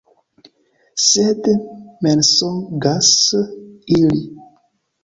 Sed mensogas ili!